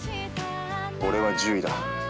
俺は獣医だ。